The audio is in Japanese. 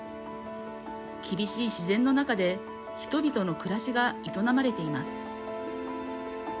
厳しい自然の中で人々の暮らしが営まれています。